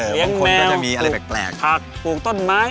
เหลียงแมวปลูกต้นไม้